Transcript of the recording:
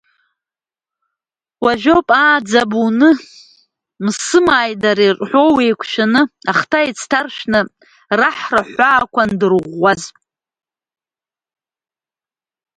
Уажәоуп ааӡаб уны, мсымааи дареи рҳәоу еиқәшәаны, ахҭа еицҭаршәны раҳра аҳәаақәа андырӷәӷәаз.